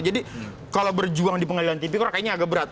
jadi kalau berjuang di pengadilan tipikor kayaknya agak berat